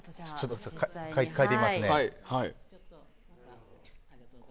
書いてみますね。